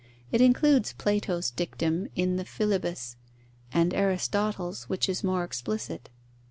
It includes Plato's dictum in the Philebus, and Aristotle's, which is more explicit.